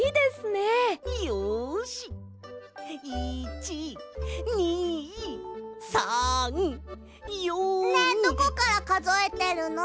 ねえどこからかぞえてるの？